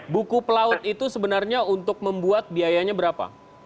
buku pelaut itu sebenarnya untuk membuat biayanya berapa